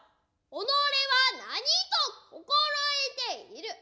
己は何と心得ている。